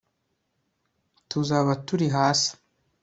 tuzaba turi hasi